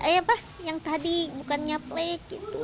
eh apa yang tadi bukannya play gitu